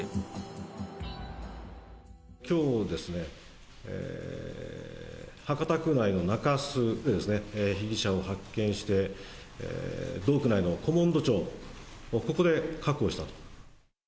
きょうですね、博多区内の中洲で被疑者を発見して、同区内の古門戸町、ここで確保したと。